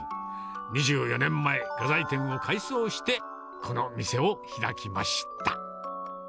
２４年前、画材店を改装して、この店を開きました。